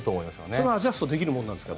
それはアジャストできるものですか。